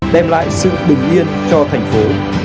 đem lại sự bình yên cho thành phố